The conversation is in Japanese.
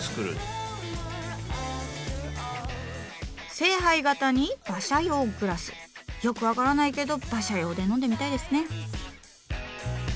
聖杯形に馬車用グラス⁉よく分からないけど馬車用で飲んでみたいですね。